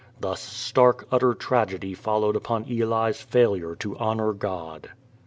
Thus stark utter tragedy followed upon Eli's failure to honor God.